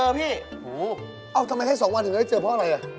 ทำไมให้สองวันกว่าจะได้เจอเพราะอะไร